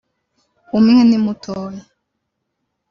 umwe ni mutoya